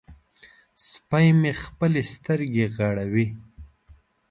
سپی مې خپلې سترګې غړوي.